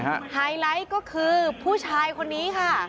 ไฮไลท์ก็คือผู้ชายคนนี้ค่ะ